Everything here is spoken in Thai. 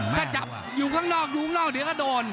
ถ้าจับอยู่ข้างนอกอยู่ข้างนอกเดี๋ยวก็โดน